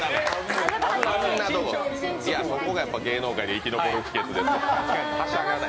そこが芸能界で生き抜く秘けつです。